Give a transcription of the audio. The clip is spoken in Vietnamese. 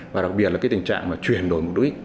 và đặc biệt là tình trạng chuyển đổi mục đích